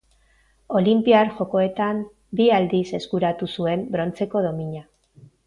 Olinpiar Jokoetan bi aldiz eskuratu zuen brontzeko domina.